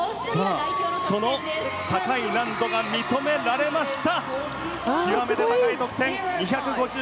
その高い難度が認められました。